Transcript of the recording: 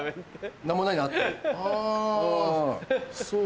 何もないなっていう。